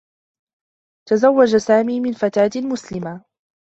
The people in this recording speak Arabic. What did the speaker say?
تزوّج سامي من فتاة مسلمة.